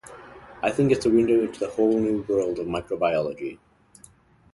I think it's a window into a whole new world of microbiology.